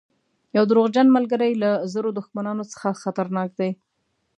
یو دروغجن ملګری له زرو دښمنانو څخه خطرناک دی.